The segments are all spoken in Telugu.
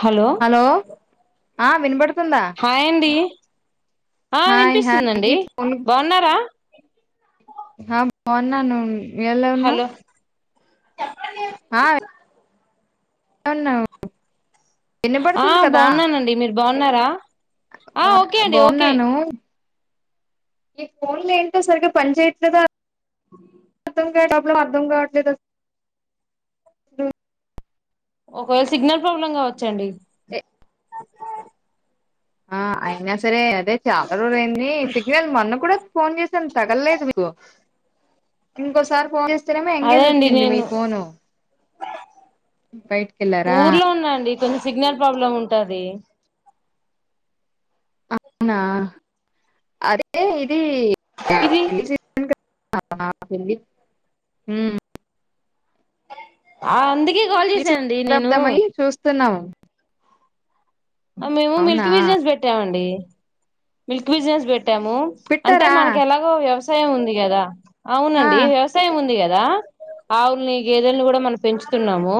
హలో ఆ వినబడు హాయ్ అండి ఆ హాయ్ హాయ్ ఈ వినిపిస్తుందండి ఫోన్ బాగున్నారా ఆ బాగున్నాను ఎలా ఉన్నావు హలో ఆ అవునవును ఆ బాగున్నానండి మీరు బాగున్నారా ఆ ఓకే అండి ఓకే ఇ ఫోన్లు ఏంటో సరిగా పంచేయ్యాట్లేదో ఆ తుంకేం ప్రాబ్లేమొ అర్ధంగాట్లే అసలు ఒకవేళ సిగ్నల్ ప్రాబ్లం కావచ్చండి ఎ ఆ అయినా సరే అదే చాలా రోరయింది సిగ్నల్ మొన్న కూడా ఫోన్ చేసాను తగలేదు మీకు ఇంకోసారి ఫోన్ చే జేస్తే ఏమో అదే ఎంగేజ్ అండి వచ్చింది మీ నేను ఫోను బయటికి వెళ్ళారా కొన్ని సిగ్నల్ ప్రాబ్లం ఉంటది అవునా అదే ఇది [unintelligible] ఉమ్ ఆ అందుకే కాల్ చే సాండి నేను స్తున్నాము మేము మిల్క్ బిజినెస్ పెట్టామండి మిల్క్ బిజినెస్ బెట్ టాము అంటే పెట్టారా మనకి ఎలాగో వ్యవస్ పేమ్ ఉంది కదా ఆ అవునండి వ్యవసాయం ఉంది కదా దా ఆవుల్ని గేదెని కూడా మనం పెంచుతున్నాము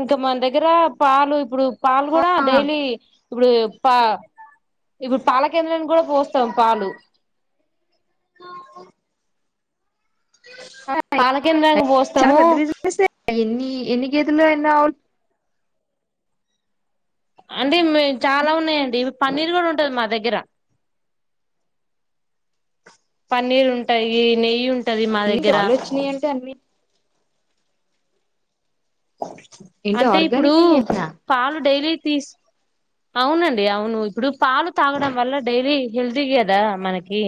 ఇంకా మన దగ్గర పాలు ఇప్పుడు పాల్ ఆ కూడా డైలీ ఇప్పుడు పా ఇప్పుడు పాల కేేంద్రాన్ని కూడా పోస్తాం పాలు ఆ పాలకేంద్రాంగా చాలా పోస్తాము పెద్ద బిజినెస్ ఎన్ని ఎన్ని గేదెలు ఎన్ని అవుల్ అంటే చాలా ఉన్నాయండి ఇ పన్నీర్ కూడా ఉంటది మా దగ్గర పన్నీర్ ఉంటాయి నెయ్యి ఉంటా అన్నీ ఆలోచినయ అంటే అన్నీ ఏంటి అంటే ఇప్పుడు ఆర్గానిక్ అయ్యేనా పాలు డైలీ తీస్ అవునండి అవును ఇప్పుడు పాలు తాగడం వల్ల డైలీ హెల్తీ కదా మనకి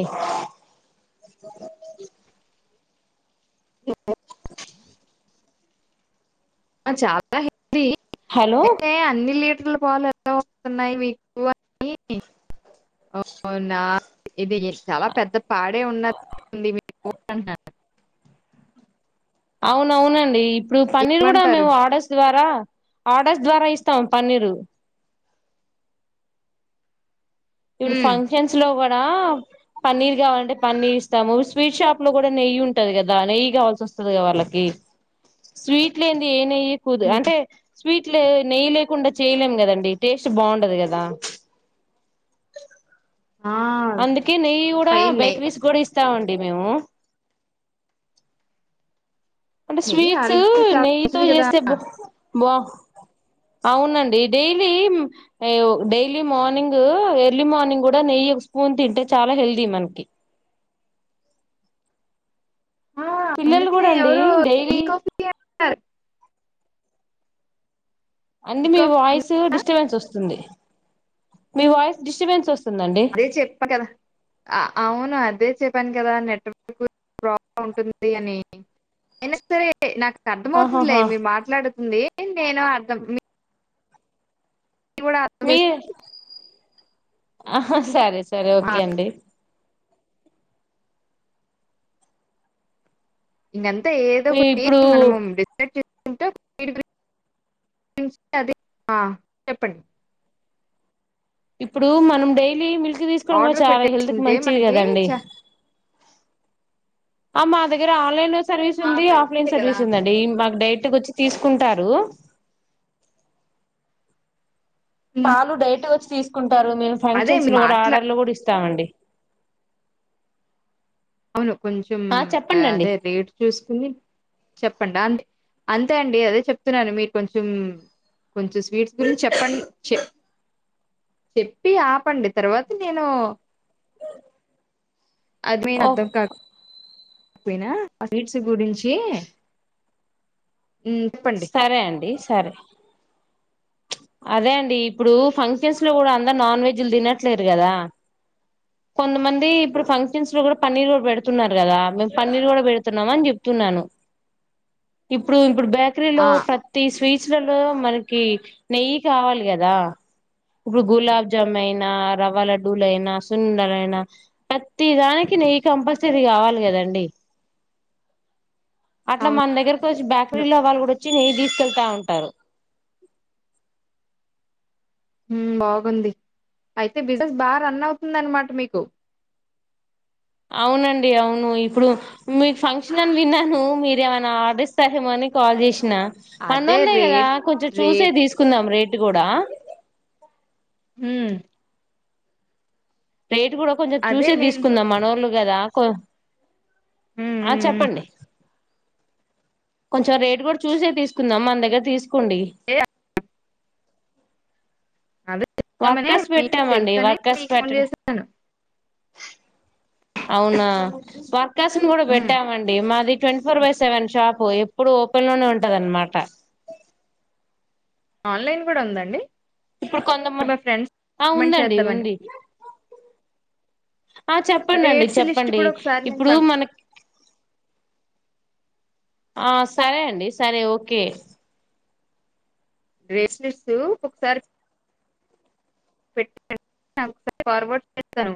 ఓ చాలా అది హలో అ అన్ని లీర్ పాలు ఎలా వస్తున్నాయి మీకు అని అవునా ఇది చాలా పెద్ద పాడే ఉన్నట్టుంది మీకు [unintelligible] అవునవునండి ఇప్పుడు పన్నీర్ కూడా ఏమంటారు మేము ఆర్డర్స్ ద్వారా ఆర్డర్స్ ద్వారా ఇస్తాం పన్నీరు ఇప్పుడు హ్మ్ ఫంక్షన్స్ లో కూడా పన్నీర్ కావాలంటే పన్నీర్ ఇస్తాము. స్వీట్ షాపులో కూడ నెయ్యి ఉంటది కదా నెయ్యి కావలసివస్తది కదా వాళ్లకి స్వీట్ లేనిదే ఏం నెయ్యి ఎక్కువ హ్మ్ అంటే స్వీట్లు నెయ్యి లేకుండా చేయలేం కదండి టేస్ట్ బాగుండదు కదా ఆ అందుకే నేయ్యి కూడా పై నెయ్యి బేకరీస్కి కూడా ఇస్త ఇస్తామండి మేము అంటే నెయ్యి స్వీట్స్ ఆరోగ్యానికి చాలా నెయ్యితో మంచిది కదా చేస్తే బ బా అవునండి daily daily morning early morning కూడా నెయ్యి ఒక స్పూన్ తింటే చాలా హెల్దీ మనకి ఆ పిల్లలు అందుకనే కూడా అండి ఎవరో ఘీ డైలీ కాఫీ అంటారు ఘీ అండి మీ కాఫీ వాయిస్ డిస్టర్బెన్స్ వస్తుంది మీ వాయిస్ డిస్టబెన్స్ వస్తు అదే చెప్ప కదా అవును అదే చెప్ప చెప్పాను కదా నెట్వర్క్ ప్రాబ్లం ఉంటుంది అని అయినా సరే నాకు అర్థమ అవుతుందిలే ఆహాహా మీ మాట్లాడు [unintelligible] ఏయింది నేను అర్థం ఇ కూడా కూడా ఆరోగ్య [unintelligible] ఆహ సరే సరే ఓకే అండి ఇంక అం ఏదో ఒకటి ఇప్పుడు మనము డిస్కస్ చేస్ అది చెప్పండి ఇప్పుడు మనం డైలీ మిల్క్ తీసుకోవడం కూడా ఆర్డర్ చాలా హెల్త్ కి పెట్టేసుకుంటే మంచిది మనకి కదండి చ ఆ మా దగ్గర ఆన్లైన్ సర్వీస్ ఆ! ఉంది మంచిదే ఆఫ్లైన్ కదా! సర్వీస్ ఉందండి మాకు డై ఇంటికి వచ్చి తీసుకుంటారు హ్మ్. పాలు డైట్ వచ్చి తీసుకుంట నేను అదే ఫంక్షన్స్ మీరు లో కూడా మాట్లా ఆర్డర్లు కూడా ఇస్త ఇస్తామండి అవును కొంచెం ఆ చెప్పండి అండి అదే రేట్ చూసుకుని చెప్పండి అంతే అంతే అండి అదే చెప్తున్నాను మీరు కొంచెం కొంచెం స్వీట్స్ గురించి చెప్పండి చెప్ చెప్పి ఆపండి తర్వాత నేను అది మెయిన్ ఓ అర్థం కాదు అపోయినా ఆ సీట్స్ గురించీ సరే అండి సరే అదే అండి ఇప్పుడు ఫంక్షన్స్ లో కూడా అందరు నాన్ వెజ్లు తినట్లేరు కదా కొంతమంది ఇప్పుడు ఫంక్షన్స్ లో కూడా పన్నీర్ కూడా పెడుతున్నారు కదా మేము పన్నీర్ కూడా పెడుతున్నాం అని చెప్తున్నాను ఇప్పుడు ఇప్పుడు బేకరీలో ఆ ప్రతి స్వీట్స్ లలో మనకి నెయ్యి కావాలి కదా ఇప్పుడు గులాబ్జాములు అయినా రవ్వ లడ్డూలు అయినా సున్నుండలైన ప్రతిదానికి నెయ్యి కంపల్సరీ కావాలి కదండి అట్లా అవును మన దగ్గర వచ్చి బ్యాకరీ లో వాళ్ళ కూడా వచ్చి నేయ్యి తీసుకెళ్తాఉం ఉంటారు మ్... బాగుంది అయితే బిజినెస్ బాగా రన్ అవుతుంది అన్నమాట మీకు అవునండి అవును ఇప్పుడు మీకు ఫంక్షన్ అని విన్నాను మీరేమైనా ఆర్డర్ ఇస్తారేమోని కాల్ చేషిన నా అదే మనోళ్లె కదా రేట్ కొంచం చూసే రేట్ తీసుకుందాం రేట్ గూడా మ్ రేట్ కూడా కొంచెం అదే చూసే నేను తీసుకుందాం మనోళ్ళు గదా కొ మ్ ఆ మ్ మ్ చెప్పండి కొంచెం రేటు కూడా చూసే తీసుకుందాం మన దగ్గర తీసుకోండి అదే అదే చెప్దామనే వర్కర్స్ మీకు పెట్టామండి తెలుసనే వర్కర్స్ మీకు ఫోన్ పెట్టడం చేశాను అవునా పా ర్కర్స్ కూడా మ్ పెట్టామండి మాది twenty four by seven shop ఎప్పుడు ఓపెన్ లోనే ఉంటది అన్నమాట ఆన్లైన్ గూడా ఉందండి ఇప్పుడు కొంతమ మా ఫ్రెండ్స్ ఆ రికమెండ్ ఉందండి చేద్దామని ఉంది ఆ చెప్పడండి రేట్స్ లిస్ట్ చెప్పండి కూడా ఒకసారి నేను ఇప్పుడు పం మనకి ఆ సరే అండి సరే ఓకే బ్రేస్లెట్స్ ఒకసారి [unintelligible] ఫార్వర్డ్ చేసాను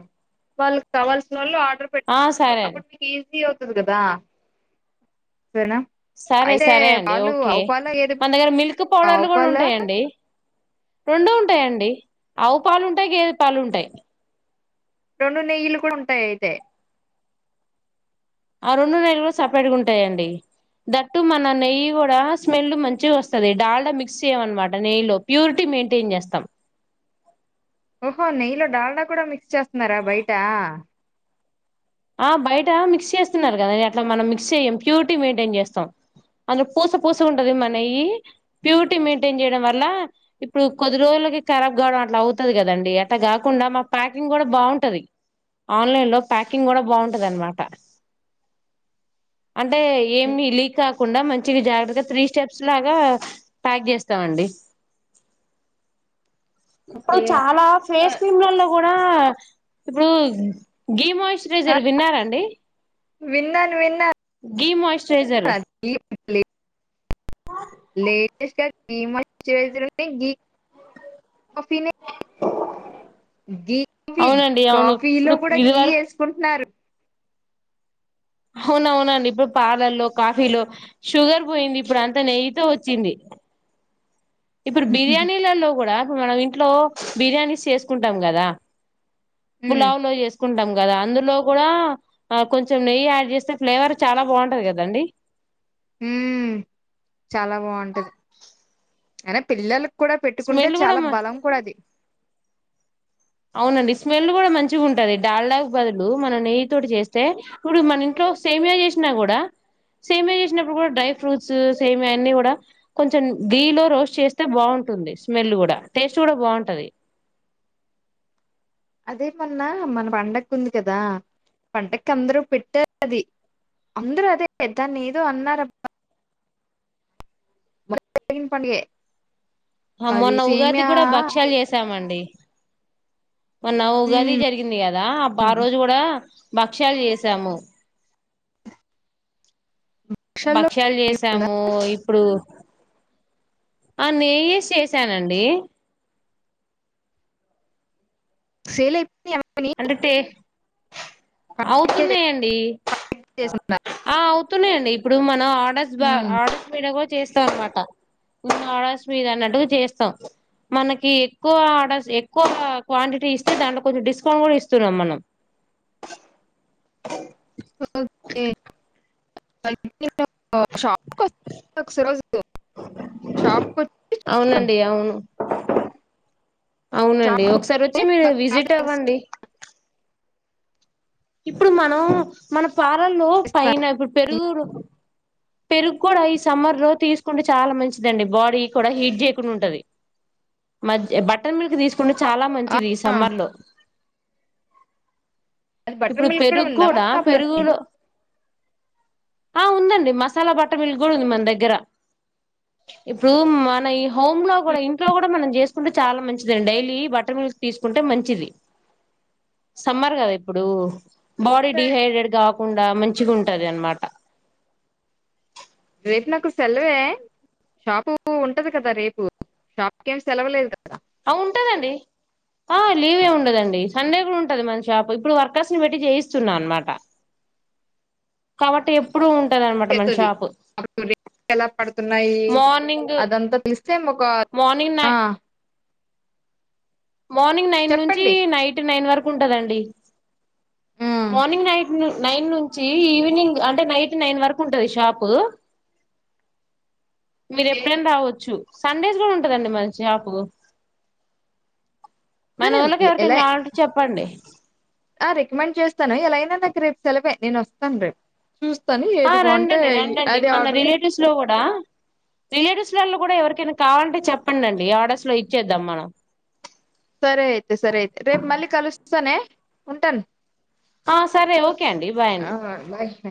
వాళ్ళకి కావాల్సిన వాళ్ళుఆర్ ఆ సరే అండి [unintelligible] అవుతుది కదా సరేనా సరే అయితే సరే అండి పాలు ఓకే ఆవు పాల గేదె మన దగ్గర మిల్క్ ఆవు పౌడర్లు కూడా పాల ఉంటాయండి రెండూ ఉంటాయండి ఆవు పాలు ఉంటాయి గేదె పాలు ఉంటాయి రెండు నెయ్యిలు కూడా ఉంటాయి అయితే ఆ రెండు నెయ్యిలు కూడా సపరేట్ గా ఉంటాయండి దట్టు మన నెయ్యి కూడా స్మెల్ మంచిగా వస్తుంది డాల్డా మిక్స్ చేయమ అనమాట నెయ్యి లో ప్యూరిటీ మెయింటైన్ చేస్తాం ఓహో నెయ్యిలో డాల్డా కూడా మిక్స్ చేస్తున్నార బయెటా ఆ బయట మిక్స్ చేస్తున్నారు కదండి అట్ల మనం మిక్స్ చేయ్యం ప్యూరిటీ మెయింటైన్ చేస్తాం అందులో పూస పూస ఉంటది మా నెయ్యి ప్యూరిటీ మెయింటైన్ చేయడం వల్ల ఇప్పుడు కొద్ది రోజులకి ఖరాబ్ కావడం అట్లా అవుతుంది కదండి అట్ట కాకుండ మా ప్యాకింగ్ కూడా బాగుంటంది ఆన్లైన్ లో ప్యాకింగ్ కింగ్ కూడా బాగుంటదనమాట అంటే ఏమి లీక్ కాకుండా మంచి చ్చింది జాగ్రత్తగ త్రీ స్టెప్స్ లాగా ప్యాక్ చేస్తామండి ఇప్పుడు ఓకే చాలా ఫేస్ ఆ క్రీమ్లలో కూడ కా ఇప్పుడు గేమ్ చరైజర్ విన్నారండి విన్నాను విన్నాను డిమాయి్చ్రైజర్ లే లేయిస్టర్ డియాయ స్చరైసర్ గి ఘీ కాఫీ అవునండి అవును కాఫీలో ఇప్పుడు కూడా ఇది ఘీ వరకు వేసుకుంటున్నారు హవు అవునవునండి ఇప్పుడు పాలల్లో కాఫీలో షుగర్ పోయింది ఇప్పుడు అంతా నెయ్యితో వచ్చింది ఇప్పుడు బిర్యానీలల్లో కూడా వాళ్ళది ఇంట్లో బిర్యానీస్ చేసుకుంటాం కదా ఉమ్ బులా మో చేస్ కుంటాం కదా అందులో కూడా కొంచెం నెయ్యి యాడ్ చేస్తే ఫ్లేవర్ చాల బాగుంటది కదండి ఉమ్ చాల బాగుంటది అయినా పిల్లలు కూడ పెట్టుకుంటే స్మెల్ కూడా చాలా మ బలం కూడా అది అవునండి స్మెల్ కూడ మంచి ఉంటంది డాల్డాగ బదులు మనం నెయ్యి తోటి చేస్తే ఇప్పుడు మన ఇంట్లో సేమియా చేసినా కూడా సేమియా చేసినప్పుడు కూడా డ్రై ఫ్రూట్స్ సేమియా అన్నిీ కూడా కొంచెం ఘీ లో రోస్ట్ చేస్తే బాగుంటుంది స్మెల్ కూడ టేస్ట్ కూడా బాగుంటది అదేమన్నా మన పండక్కా ఉంది కదా పండక్కి అందరూ పెట్టారు అది అందరూ అదే దాన్ని ఏదో అన్నారుారబ్ మొన్న జరిగిన పండగే మొన్న ఉగాది కూడ భక్ష్యాల్ చేసామండి మోన్న ఉగాది ఉమ్, జరిగింది కదా ఆ రోజు కూడా భక్ష్యాల్ చేసాము రిక్షాల్లో భక్ష్యాలు కదా చేసాము ఇప్పుడు ఆ నేయ్యిసి చేసానండి సేలె ఎమ్ అని అవుతున్నాయ్ అండి చేసుకున్నాం ఆ అవుతున్నాయ్ అండి ఇప్పుడు మనం ఆడర్స్ బ ఉమ్, ఆర్డర్స్ మీద చేస్తాం అనమాట ఆర్డర్స్ మీద అన్నట్టుగా చేస్తాం మనకి ఎక్కువ ఆర్డర్స్ ఎక్కువ క్వాంటిటీ ఇస్తే దాంట్లో కొంచ స్ ఫోన్ కూడ ఇస్తున్నాం మనం ఒకే [unintelligible] [unintelligible] [inaudible] షాప్కి వస్తే చూస్తా అవునండి అవును అవునండి షాప్కి ఒకసార్ వచ్చి వస్తే మీరు నాకు బాగా విజిట్ తెలుస్తుంది. అవ్వండి ఇప్పుడు మనం మన పారల్లో పైన ఇప్పుడు పెరుగురు పెరుగు కూడా ఈ సమ్మర్ లో తీసుకుంటే చాలా మంచిదండి బాడీ కూడా హీట్ చేయకుండా ఉంటది మధ్య బట్టన్ మిల్క్ తీసుకు ఇప్పుడు చాలా మంచిది ఈ ఆ, సమ్మర్ లో అది బటర్ ఇప్పుడు మిల్క్ పెరుగు ఉందా మన కూడా షాప్లో పెరుగులో ఆ ఉందండి మస్ మసాలా బటర్ మిల్క్ కూడా ఉంది మన దగ్గర ఇప్పుడు మన ఈ హోమ్ లో కూడా ఇంట్లో కూడా మనం చేసుకుంటే చాలా మంచిదిండి డైలీ బటర్ మిల్క్ తీసుకుంటే మంచిది సమ్మర్ కదా ఇప్పుడు బాడీ డిహైడెడ్గా కా కాకుండా మంచిగా ఉంటది అనమాట రేపు నాకు సెలవే షాపు ఓపె ఉంటది కదా రేపు షాప్కి ఏం సెలవలేదు కదా ఆ ఉంటదండి ఆ లీవ్ ఉండదండి సండే కూడా ఉంటది మన షాప్ ఇప్పుడు వర్కర్స్ ని పెట్టి చేయిస్తున్నా అనమాట కాబట్టి ఎప్పుడు ఉం తెతది అప్పుడు రే ఎలా పడుతున్నాయి మార్నింగ్ అదంతా తీస్తే ఒక మార్నింగ్ ఆ నై మార్నింగ్ నైన్ నుంచి చెప్పండి నైట్ నైన్ వరకు కుంటదండి ఉమ్ మార్నింగ్ నైట్ నైన్ నుంచి ఈవినింగ్ అంటే నైట్ నైన్ వరకు ఉంటది షాపు మీరు ఎప్పుడైనా రావచ్చు. సండేస్ కూడా ఉంటందండి మది షాప్ సరేం ఎలా చెప్పండి రికమెండ్ చేస్తాను ఎలాయినా రేపు సెలవే నేను వస్తాను రేపు చూస్తాను ఆ ఏది బాగుంటే రండండి రండండి అదే మన ఆర్డర్ రిలేటివ్స్ లో కూడా ఆ రిలేటివ్స్ వాళ్ళు కూడా ఎవరికైనా కావాలంటే చెప్పండి ఆర్డర్స్ లో ఇచ్చేద్దాం మనం సనే ఉంటాను ఆ సరే ఓకే అండి బాయ్ ఆ అండి బాయ్